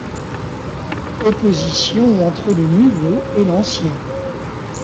Opposition entre le nouveau et l'ancien.